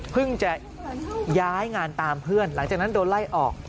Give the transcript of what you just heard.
จะย้ายงานตามเพื่อนหลังจากนั้นโดนไล่ออก